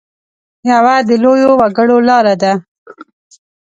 یوه د لویو وګړو لاره ده.